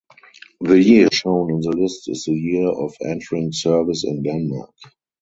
The year shown in the list is the year of entering service in Denmark.